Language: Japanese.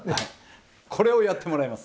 これをやってもらいます。